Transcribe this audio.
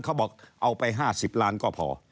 เขาบอกเอาไปห้าสิบล้านก็พอ